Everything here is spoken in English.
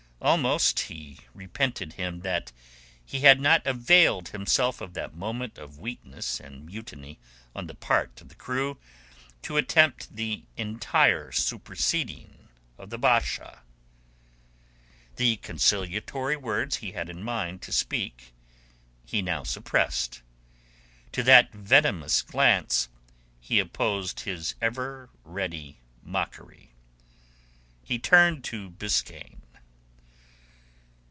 Almost he repented him that he had not availed himself of that moment of weakness and mutiny on the part of the crew to attempt the entire superseding of the Basha. The conciliatory words he had in mind to speak he now suppressed. To that venomous glance he opposed his ever ready mockery. He turned to Biskaine.